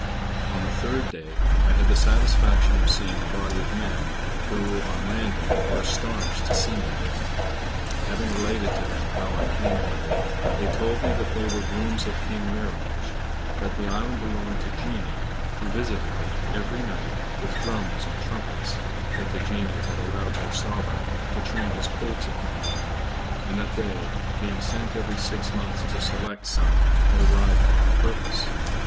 On the third day, I had the satisfaction of seeing a body of men, who, on landing, were astonished to see me there. Having related to them how I came hither, they told me they were grooms of King Mihrage; that the island belonged to genii, who visited it every night with drums and trumpets; that the genii had allowed their sovereign to train his colts upon the island; and that they, being sent every six months to select some, had arrived for that purpose.